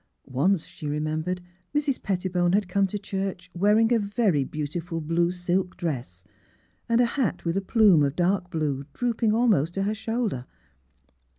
Once, she remembered, Mrs. Pettibone had come to church wearing a very beautiful blue silk dress, and a hat with a plume of dark blue drooping almost to her shoulder.